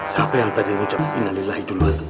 siapa yang tadi ngucap innalillahi duluan